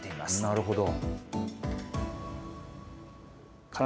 なるほど。